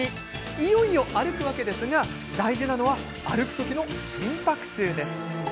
いよいよ歩くわけですが大事なのは歩く時の心拍数です。